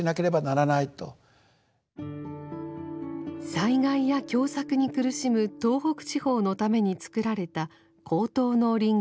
災害や凶作に苦しむ東北地方のためにつくられた高等農林学校。